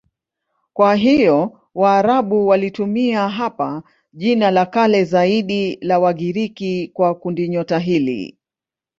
Kwa hiyo Waarabu walitumia hapa jina la kale zaidi la Wagiriki kwa kundinyota hili.